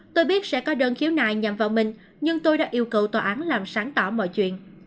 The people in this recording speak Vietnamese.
tôi biết sẽ có đơn khiếu nại nhằm vào mình nhưng tôi đã yêu cầu tòa án làm sáng tỏ mọi chuyện